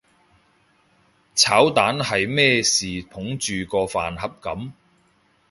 炒蛋係咩事捧住個飯盒噉？